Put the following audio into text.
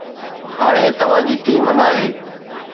هاڻي توهان جي ٽيم ناهي